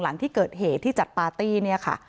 หลังที่เกิดเหตุที่จัดปาร์ตี้